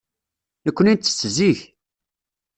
Nekkni nettett zik.